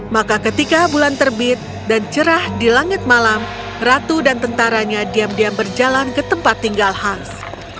maka ketika bulan terbit dan cerah di langit malam ratu dan tentaranya diam diam berjalan ke tempat tinggal hans